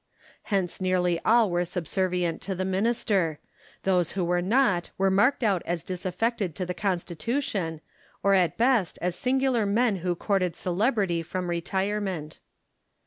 Hence nearly all were subservient to the minister : those who were not were marked out as disaffected to the Constitution, or at best as singular men who courted celebrity from retirement.